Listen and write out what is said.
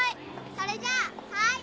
それじゃはい！